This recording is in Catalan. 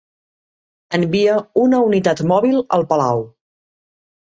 Envia una unitat mòbil al Palau.